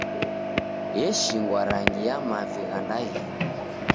Eshingwa rangi ya mavi gha ndaghina.